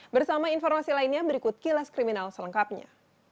bersama informasi lainnya berikut kilas kriminal selengkapnya